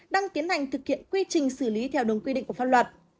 đang tiến hành thực hiện quy trình xử lý theo đúng quy định của pháp luật